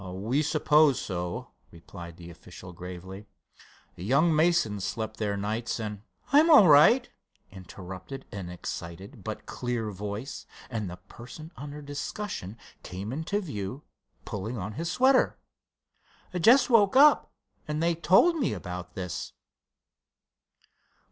"We suppose so," replied the official, gravely. "Young Mason slept there nights and——" "I'm all right," interrupted an excited but clear voice, and the person under discussion came into view pulling on his sweater. "Just woke up, and they told me about this."